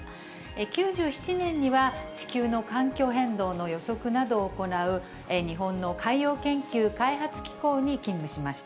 ９７年には、地球の環境変動の予測などを行う、日本の海洋研究開発機構に勤務しました。